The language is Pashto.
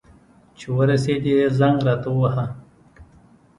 چي ورسېدې، زنګ راته ووهه.